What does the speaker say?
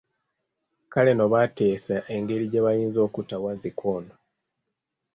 Kale nno bateesa engeri gye bayinza okutta wazzike ono.